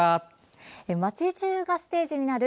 街中がステージになる